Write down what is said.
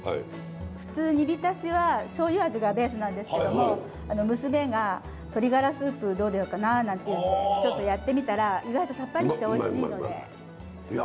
普通煮びたしはしょうゆ味がベースなんですけども娘が「鶏がらスープどうだろうかな」なんて言うのでちょっとやってみたら意外とさっぱりしておいしいので。